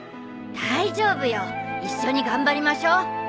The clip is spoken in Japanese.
大丈夫よ一緒に頑張りましょう。